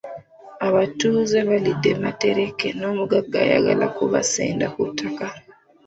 Abatuuze balidde matereke n’omugagga ayagala okubasenda ku ttaka.